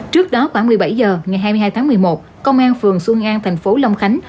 trước đó khoảng một mươi bảy giờ ngày hai mươi hai tháng một mươi một công an phường xuân an tp long khánh